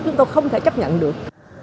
chúng tôi không thể chấp nhận được